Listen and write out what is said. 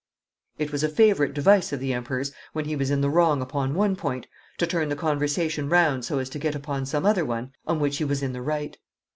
It was a favourite device of the Emperor's, when he was in the wrong upon one point, to turn the conversation round so as to get upon some other one on which he was in the right.